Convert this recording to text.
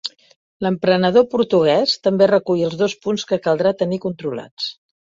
L'emprenedor portuguès també recull els dos punts que caldrà tenir controlats.